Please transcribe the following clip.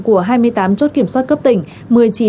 của hai mươi tám chốt kiểm soát cấp tỉnh